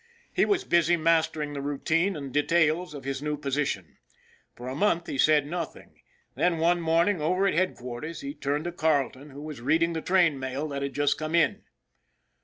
He was busy mastering the routine and details of his new position. For a month he said nothing; then one morning over at headquarters he turned to Carle ton, who was reading the train mail that had just come in.